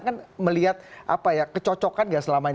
kan melihat apa ya kecocokan gak selama ini